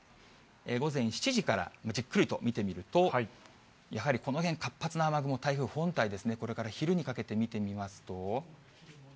午前７時からじっくりと見てみると、やはりこの辺、活発な雨雲、台風本体ですね、これから昼にかけて見てみますと。